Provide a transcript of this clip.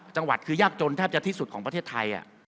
จังหวัดคือยากจนแทบจะที่สุดของประเทศไทย